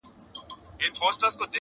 د پېړیو پېګويي به یې کوله؛